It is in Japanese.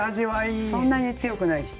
そんなに強くないでしょ。